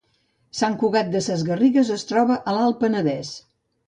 Sant Cugat Sesgarrigues es troba a l’Alt Penedès